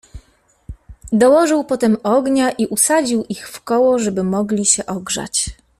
"Dołożył potem ognia i usadził ich wkoło, żeby mogli się ogrzać."